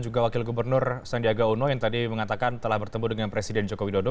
juga wakil gubernur sandiaga uno yang tadi mengatakan telah bertemu dengan presiden joko widodo